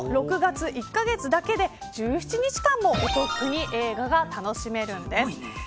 ６月１カ月だけで１７日間もお得に映画が楽しめます。